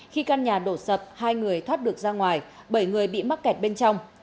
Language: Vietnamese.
khi căn nhà đổ sập hai người thoát được ra ngoài bảy người bị mắc kẹt bên trong